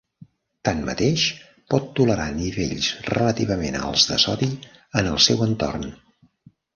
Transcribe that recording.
Tanmateix, pot tolerar nivells relativament alts de sodi en el seu entorn.